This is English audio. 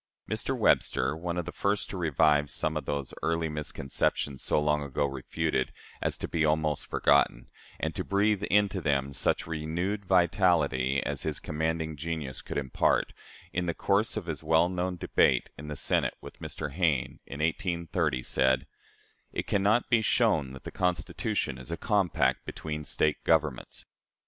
Mr. Webster, one of the first to revive some of those early misconceptions so long ago refuted as to be almost forgotten, and to breathe into them such renewed vitality as his commanding genius could impart, in the course of his well known debate in the Senate with Mr. Hayne, in 1830, said: "It can not be shown that the Constitution is a compact between State governments.